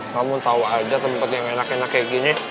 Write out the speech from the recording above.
kamu tahu aja tempat yang enak enak kayak gini